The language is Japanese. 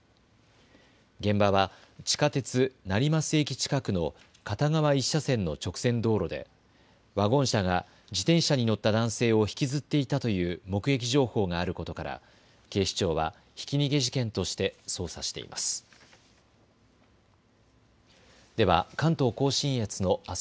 現場は地下鉄成増駅近くの片側１車線の直線道路でワゴン車が自転車に乗った男性を引きずっていたという目撃情報があることから警視庁はひき逃げ事件として捜査しています。